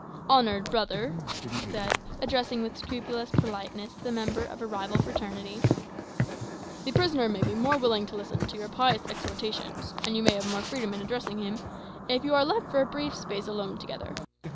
"Honoured brother," he said, addressing with scrupulous politeness the member of a rival fraternity, "the prisoner may be more willing to listen to your pious exhortations, and you may have more freedom in addressing him, if you are left for a brief space alone together.